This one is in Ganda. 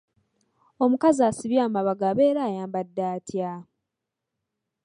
Omukazi asibye amabago abeera ayambadde atya?